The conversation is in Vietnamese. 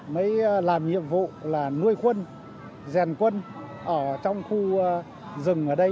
mới làm nhiệm vụ là nuôi quân rèn quân ở trong khu rừng ở đây